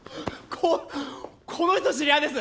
ここの人知り合いです！